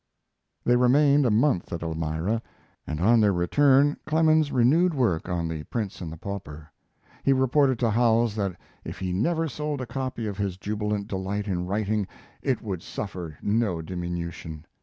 They remained a month at Elmira, and on their return Clemens renewed work on 'The Prince and the Pauper'. He reported to Howells that if he never sold a copy his jubilant delight in writing it would suffer no diminution.